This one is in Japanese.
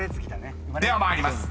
［では参ります。